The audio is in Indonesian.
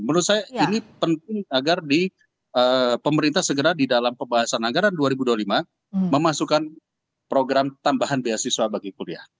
menurut saya ini penting agar pemerintah segera di dalam pembahasan anggaran dua ribu dua puluh lima memasukkan program tambahan beasiswa bagi kuliah